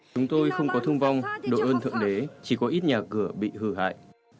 chúng tôi không có thương vong đồ ơn thượng đế chỉ có ít nhà cửa bị hư hại